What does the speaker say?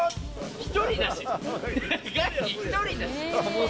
１人だし。